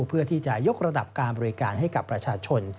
เพื่อที่จะยกระดับการบริการให้กับประชาชน